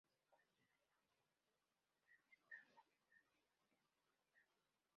Se encuentra en el Afganistán, Pakistán y el este del Irán.